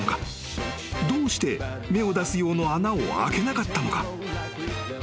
［どうして目を出す用の穴を開けなかったのか？］